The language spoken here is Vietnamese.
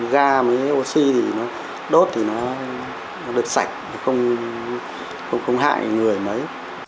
ga với oxy thì nó đốt thì nó được sạch không hại người mấy